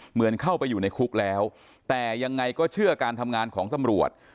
เหมือนเข้าไปอยู่ในคุกแล้วแต่ยังไงก็เชื่อการทำงานของตำรวจ